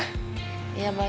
thanks ya sabrina